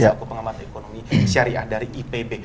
selaku pengamat ekonomi syariah dari ipb